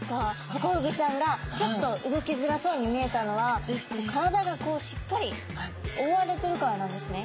ハコフグちゃんがちょっと動きづらそうに見えたのは体がしっかりおおわれてるからなんですね。